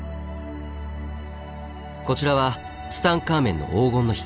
こちらはツタンカーメンの黄金の棺。